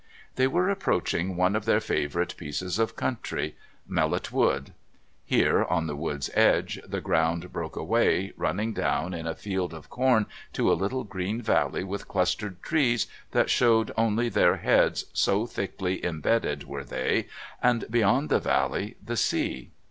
They were approaching one of their favourite pieces of country Mellot Wood. Here, on the wood's edge, the ground broke away, running down in a field of corn to a little green valley with clustered trees that showed only their heads, so thickly embedded were they, and beyond the valley the sea.